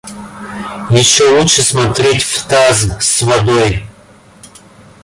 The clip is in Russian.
Еще лучше смотреть в таз с водой.